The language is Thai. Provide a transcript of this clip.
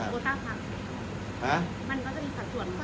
มันก็จะมีสัดส่วนโปรต้าภักดิ์